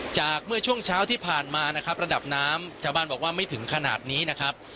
จากเมื่อช่วงเช้าที่ผ่านมานะครับระดับน้ำชาวบ้านบอกว่าไม่ถึงขนาดนี้นะครับ